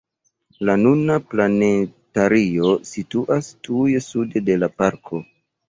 La nuna planetario situas tuj sude de la parko.